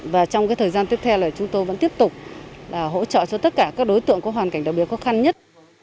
và trong thời gian tiếp theo là chúng tôi vẫn tiếp tục hỗ trợ cho tất cả các đối tượng có hoàn cảnh đặc biệt khó khăn nhất